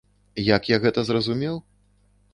Як я гэта зразумеў?